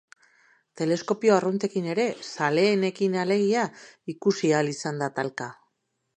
Teleskopio arruntekin ere, zaleenekin alegia, ikusi ahal izan da talka.